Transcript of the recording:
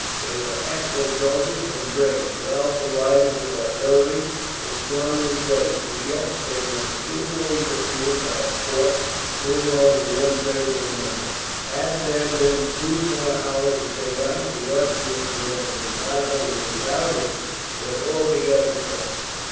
They were excellent soldiers and brave, well provided with artillery, and strongly placed; and yet they were signally defeated by a force little over one third their number. Had there been two more hours of daylight, the Austrians would have been not only routed but altogether crushed.